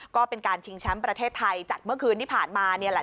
ก็เป็นการชิงแชมป์ประเทศไทยจากเมื่อคืนที่ผ่านมานี่แหละ